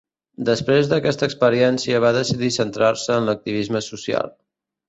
Després d'aquesta experiència va decidir centrar-se en l'activisme social.